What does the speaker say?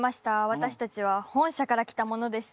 私たちは本社から来た者です